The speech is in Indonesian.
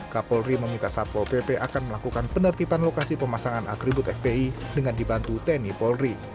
kapolri meminta satpol pp akan melakukan penertiban lokasi pemasangan atribut fpi dengan dibantu tni polri